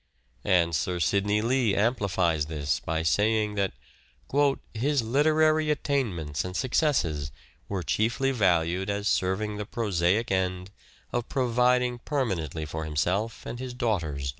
And Sir Sidney Lee amplifies this by saying that " his literary attainments and successes were chiefly valued as serving the prosaic end of providing permanently for himself and his daughters."